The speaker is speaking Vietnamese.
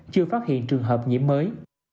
chỉ phát hiện trường hợp nhiễm mới